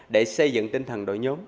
để xây dựng tinh thần đội nhóm